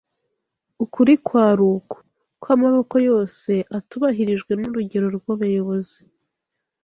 ukuri kwari uku, ko amaboko yose atubahirijwe nurugero rw'abayobozi -